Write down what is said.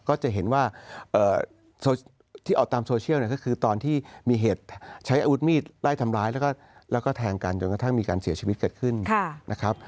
ก็จะเห็นว่าที่ออกตามโซเชียลเนี่ยก็คือตอนที่มีเหตุใช้อาวุธมีดไล่ทำร้ายแล้วก็แทงกันจนกระทั่งมีการเสียชีวิตเกิดขึ้นนะครับ